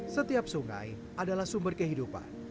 setiap sungai adalah sumber kehidupan